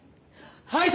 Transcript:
はい。